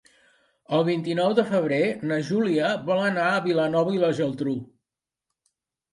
El vint-i-nou de febrer na Júlia vol anar a Vilanova i la Geltrú.